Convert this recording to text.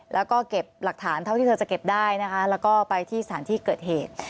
แล้วก็เก็บหลักฐานเท่าที่เธอจะเก็บได้นะคะแล้วก็ไปที่สถานที่เกิดเหตุ